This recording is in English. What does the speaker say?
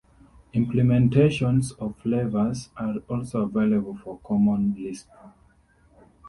Implementations of Flavors are also available for Common Lisp.